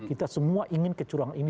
kita semua ingin kecurangan ini